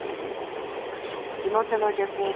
地元の女性。